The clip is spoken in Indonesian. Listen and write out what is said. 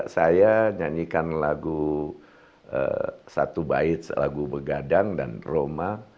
saya nyanyikan lagu satu baits lagu begadang dan roma